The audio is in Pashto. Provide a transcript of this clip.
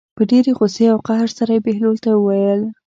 په ډېرې غوسې او قهر سره یې بهلول ته وویل.